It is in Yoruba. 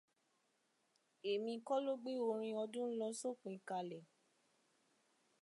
Èmi kọ́ ló gbé orin ọdún ń lọ sópin kalẹ̀.